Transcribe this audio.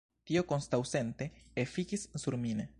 Tio kontraŭsente efikis sur min.